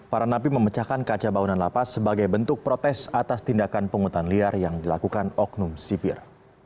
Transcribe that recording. para napi memecahkan kaca bangunan lapas sebagai bentuk protes atas tindakan penghutan liar yang dilakukan oknum sipir